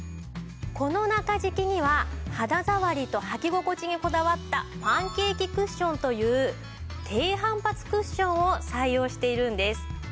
この中敷きには肌触りと履き心地にこだわったパンケーキクッションという低反発クッションを採用しているんです。